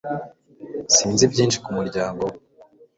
Sinzi byinshi ku muryango wawe